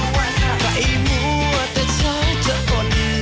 ใครรู้ว่าแต่ช้าจะอ่อน